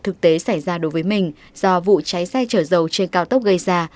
thực tế xảy ra đối với mình do vụ cháy xe chở dầu trên cao tốc gây ra